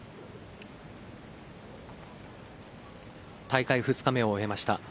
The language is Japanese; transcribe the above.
大会２日目を終えました。